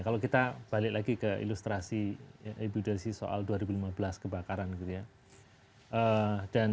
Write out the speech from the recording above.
kalau kita balik lagi ke ilustrasi ibu desi soal dua ribu lima belas kebakaran gitu ya